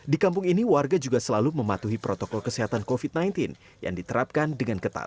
di kampung ini warga juga selalu mematuhi protokol kesehatan covid sembilan belas yang diterapkan dengan ketat